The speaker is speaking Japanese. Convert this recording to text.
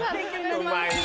うまいね。